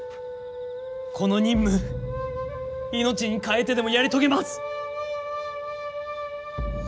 この任務命に代えてでもやり遂げます！